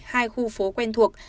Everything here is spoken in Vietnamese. hai khu phố quen thuộc